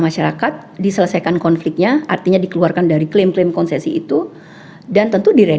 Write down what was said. masyarakat diselesaikan konfliknya artinya dikeluarkan dari klaim klaim konsesi itu dan tentu